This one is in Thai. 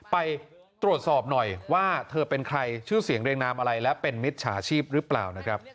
ไปตรวจสอบหน่อยว่าเธอเป็นใครชื่อเสียงเรียงนามอะไรและเป็นมิจฉาชีพหรือเปล่านะครับ